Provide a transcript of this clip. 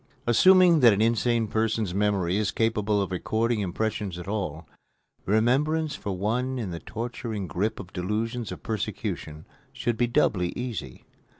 Assuming that an insane person's memory is capable of recording impressions at all, remembrance for one in the torturing grip of delusions of persecution should be doubly easy.